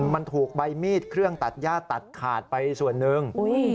มันถูกใบมีดเครื่องตัดย่าตัดขาดไปส่วนหนึ่ง